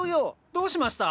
どうしました？